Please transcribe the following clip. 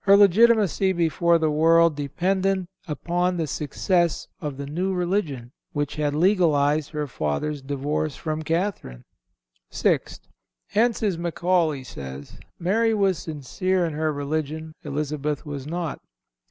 Her legitimacy before the world depended on the success of the new religion, which had legalized her father's divorce from Catherine. Sixth—Hence as Macaulay says, Mary was sincere in her religion; Elizabeth was not.